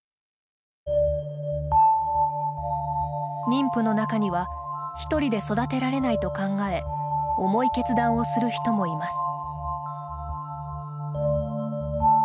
妊婦の中には１人で育てられないと考え重い決断をする人もいます。